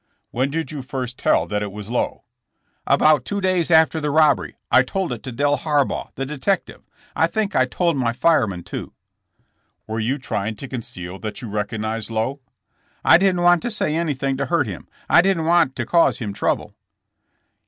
"When did you first tell that it was Lowe?" "About two days after the robbery I told it to Del Harbaugh, the detective. I think I told my fire man, too." "Were you trying to conceal that you recog nized Lowe?" "I didn't want to say anything to hurt him. I didn't want to cause him trouble."